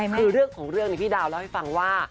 คือเรื่องของเรื่องพี่ดาวเล่าให้ฟังว่า